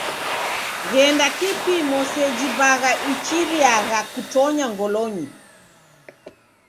Ghenda kupimo seji bagha iachiriagha kutonya ngolonyi.